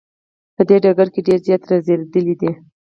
په دې ډګر کې ډیر زیات را ځلیدلی دی.